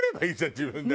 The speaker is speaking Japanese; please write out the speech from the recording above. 自分で。